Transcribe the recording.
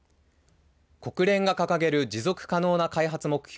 国連が掲げる持続可能な開発目標